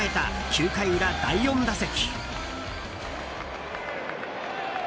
９回裏第４打席。